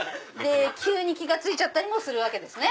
急に気が付いちゃったりもするわけですね。